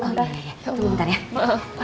yaudah yaudah yaudah yaudah